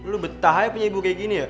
lu betah aja punya ibu kayak gini ya